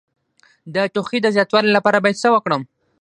د ټوخي د زیاتوالي لپاره باید څه وکړم؟